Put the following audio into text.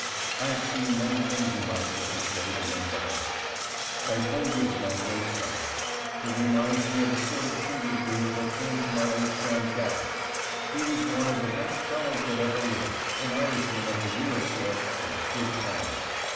I have seen many things in my circus day to wring the heart. I told you of my own great sorrow. It reminds me of a sort of kindred grief that came to my old friend Garrett. He was one of the best fellows that ever lived, an Irishman of the real sort, and a good clown.